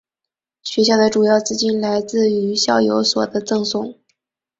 学院的主要资金来自于校友所捐赠。